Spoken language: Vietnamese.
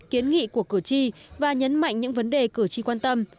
kiến nghị của cử tri và nhấn mạnh những vấn đề cử tri quan tâm